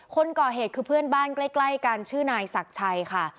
คนก่อเหตุคือเพื่อนบ้านใกล้กันชื่อนายศักดิ์ชัยค่ะ